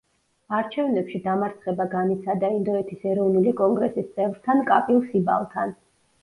არჩევნებში დამარცხება განიცადა ინდოეთის ეროვნული კონგრესის წევრთან კაპილ სიბალთან.